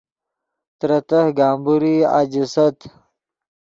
ترے تہہ گمبورئی اَجیست